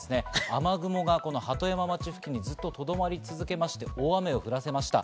雨雲が鳩山町付近にずっととどまり続けまして、大雨を降らせました。